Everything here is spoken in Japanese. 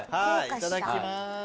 いただきます。